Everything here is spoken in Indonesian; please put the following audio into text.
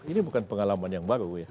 ini bukan pengalaman yang baru ya